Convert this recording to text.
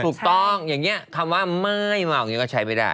ถูกต้องอย่างนี้คำว่าไม่เมาอย่างนี้ก็ใช้ไม่ได้